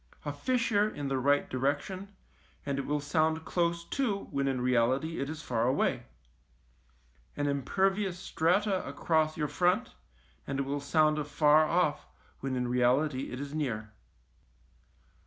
A fissure in the right direction, and it will sound close to, when in reality it is far away ; an impervious strata across your front, and it will sound afar off, when in reality it is near.